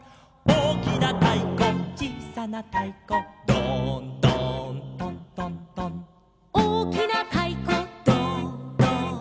「おおきなたいこちいさなたいこ」「ドーンドーントントントン」「おおきなたいこドーンドーン」